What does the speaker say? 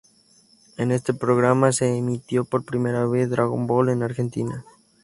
En este programa se emitió por primera vez Dragon Ball en Argentina.